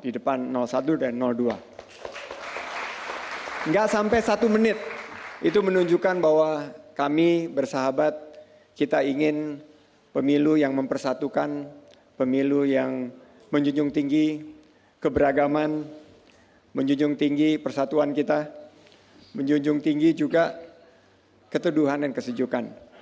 tidak sampai satu menit itu menunjukkan bahwa kami bersahabat kita ingin pemilu yang mempersatukan pemilu yang menjunjung tinggi keberagaman menjunjung tinggi persatuan kita menjunjung tinggi juga ketuduhan dan kesejukan